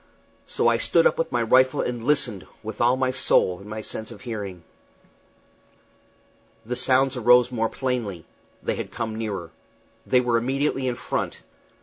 So I stood up with my rifle and listened, with all my soul in my sense of hearing. The sounds arose more plainly. They had come nearer. They were immediately in front.